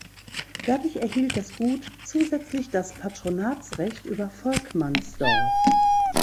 Dadurch erhielt das Gut zusätzlich das Patronatsrecht über Volkmannsdorf.